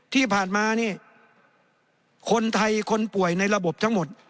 ที่ผ่านมานี่คนไทยคนป่วยในระบบทั้งหมด